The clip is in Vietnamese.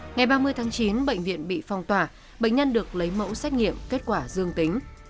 ngày ba mươi tháng chín bệnh viện bị phong tỏa bệnh nhân được lấy mẫu xét nghiệm kết quả dương tính